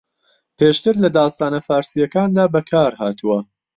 پێشتر لە داستانە فارسییەکاندا بەکارھاتوە